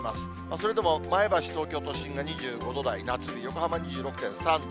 それでも前橋、東京都心が２５度台、夏日、横浜２６．３度。